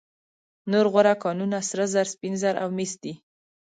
نور غوره کانونه سره زر، سپین زر او مس دي.